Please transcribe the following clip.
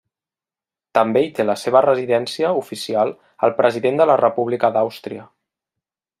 També hi té la seva residència oficial el President de la República d'Àustria.